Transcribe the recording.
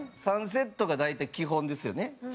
３セットが大体基本ですよね。